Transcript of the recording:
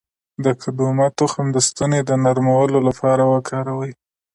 د قدومه تخم د ستوني د نرمولو لپاره وکاروئ